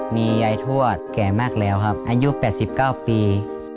มียายทวดแก่มากแล้วครับอายุ๘๙ปี